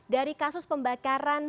dari kasus pembakaran